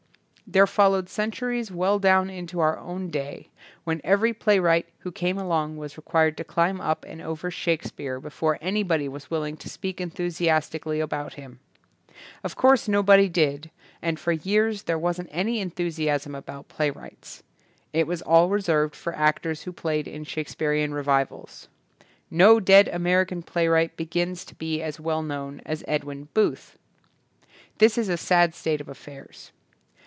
There followed centuries well down into our own day, when every play wright who came along was required to climb up and over Shakespeare be fore anybody was willing to speak en thusiastically about him. Of course nobody did, and for years there wasn't any enthusiasm about plasrwrights. It was all reserved for actors who played in Shakespearian revivals. No dead American playwright begins to be as well known as Edwin Booth. This is a sad state of affairs.